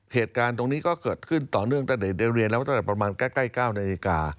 เหตุการณ์ตรงนี้ก็เกิดขึ้นต่อเนื่องเรียนแล้วตั้งแต่ประมาณแค่๙นาฬิกา